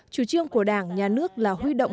chủ trương của đảng nhà nước là huy động